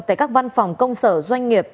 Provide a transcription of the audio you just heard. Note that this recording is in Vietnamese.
tại các văn phòng công sở doanh nghiệp